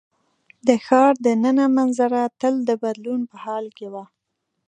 د ښار د ننه منظره تل د بدلون په حال کې وه.